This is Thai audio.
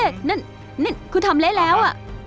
เป็นคุณทำเล้ว